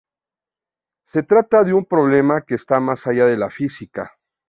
Se trata de un problema que está más allá de la física.